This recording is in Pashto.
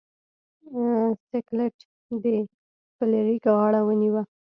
سکلیټ د فلیریک غاړه ونیوه.